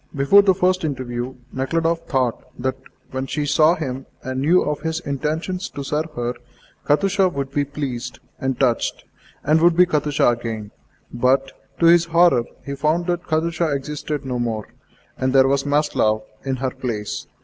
Before the first interview, Nekhludoff thought that when she saw him and knew of his intention to serve her, Katusha would be pleased and touched, and would be Katusha again; but, to his horror, he found that Katusha existed no more, and there was Maslova in her place.